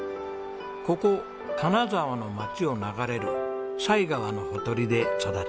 ここ金沢の街を流れる犀川のほとりで育ちました。